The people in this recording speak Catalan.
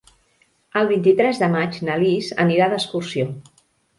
El vint-i-tres de maig na Lis anirà d'excursió.